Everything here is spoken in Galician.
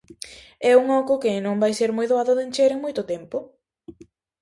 E un oco que non vai ser moi doado de encher en moito tempo.